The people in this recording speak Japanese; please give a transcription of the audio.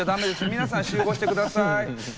皆さん集合してください。